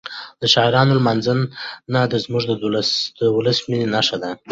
د شاعرانو لمانځنه زموږ د ولس د مینې نښه ده.